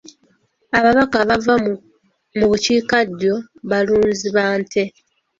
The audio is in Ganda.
Abantu abava mu bukiikaddyo balunzi ba nte.